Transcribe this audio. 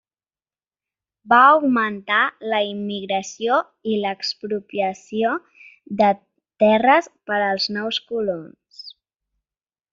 Va augmentar la immigració i l'expropiació de terres per als nous colons.